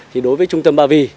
thì đối với trung tâm ba vì